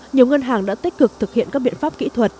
nhiều ngân hàng đã tích cực thực hiện các biện pháp kỹ thuật